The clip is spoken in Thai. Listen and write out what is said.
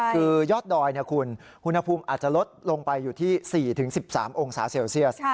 คือยอดดอยคุณอุณหภูมิอาจจะลดลงไปอยู่ที่๔๑๓องศาเซลเซียส